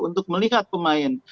untuk melihat pemain